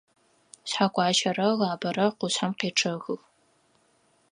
Шъхьэгуащэрэ Лабэрэ къушъхьэм къечъэхых.